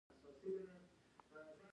ښارونه د افغانستان د صادراتو یوه برخه ده.